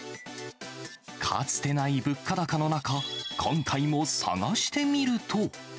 かつてない物価高の中、今回も探してみると。